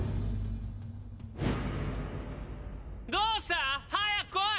どうした早く来い！